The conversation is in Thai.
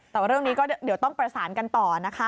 แต่ว่าเรื่องนี้ก็เดี๋ยวต้องประสานกันต่อนะคะ